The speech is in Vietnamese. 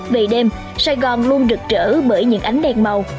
về đêm sài gòn luôn rực rỡ bởi những ánh đèn màu